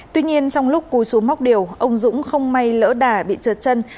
tuy nhiên trong lúc cúi xuống móc điều ông dũng không may lỡ đà bị trượt chân